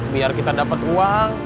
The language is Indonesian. biar kita dapet uang